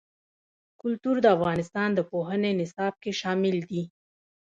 کلتور د افغانستان د پوهنې نصاب کې شامل دي.